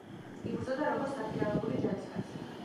იბრძოდა როგორც დაქირავებული ჯარისკაცი.